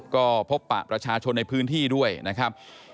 ก็พบปะประชาชนในพื้นที่ด้วยนะครับ